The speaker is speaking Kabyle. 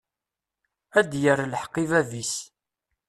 Ad d-yerr lḥeq i bab-is.